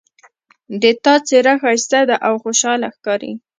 د تا څېره ښایسته ده او خوشحاله ښکاري